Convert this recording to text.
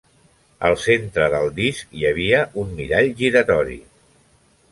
Al centre del disc hi havia un mirall giratori.